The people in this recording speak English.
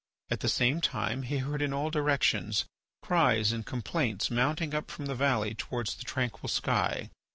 At the same time he heard in all directions cries and complaints mounting up from the valley towards the tranquil sky.